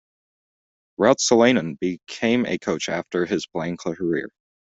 Ruotsalainen became a coach after his playing career.